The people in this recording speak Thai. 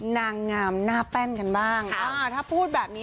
นางงามหน้าแป้นกันบ้างอ่าถ้าพูดแบบนี้